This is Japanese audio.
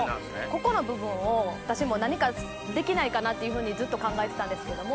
ここの部分を私も何かできないかなっていうふうにずっと考えてたんですけども。